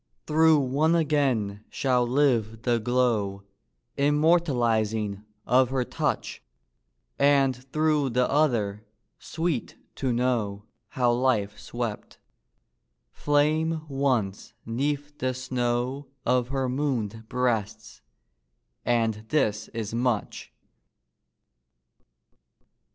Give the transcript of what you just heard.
Through one again shall live the glow, Immortalizing, of her touch; And through the other, sweet to know How life swept, flame once, 'neath the snow Of her moon'd breasts and this is much!